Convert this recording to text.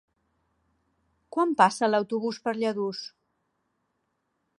Quan passa l'autobús per Lladurs?